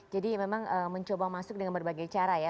jadi memang mencoba masuk dengan berbagai cara ya